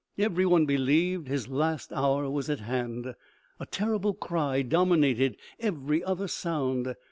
Everyone believed his last hour was at hand. A terrible cry dominated every other sound.